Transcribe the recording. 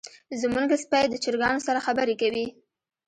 زمونږ سپی د چرګانو سره خبرې کوي.